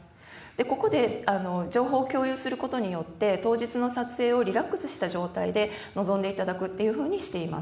ここで情報を共有することによって当日の撮影をリラックスした状態で臨んでいただくっていうふうにしています